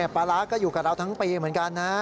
ปลาร้าก็อยู่กับเราทั้งปีเหมือนกันนะ